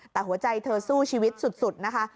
แต่หัวใจเธอสู้ชีวิตสุดนะคะ